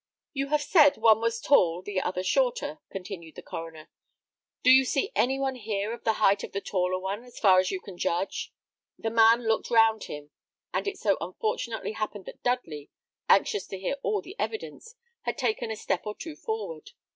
"You have said one was tall, the other shorter," continued the coroner; "do you see any one here of the height of the taller one, as far as you can judge?" The man looked round him, and it so unfortunately happened that Dudley, anxious to hear all the evidence, had taken a step or two forward.